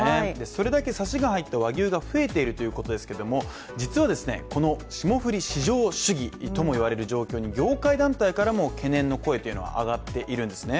それだけさしが入った和牛が増えているということですけれども、実はこの霜降り至上主義ともいわれる状況に業界団体からも懸念の声というのは上がっているんですね。